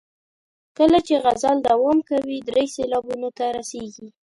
کله چې غزل دوام کوي درې سېلابونو ته رسیږي.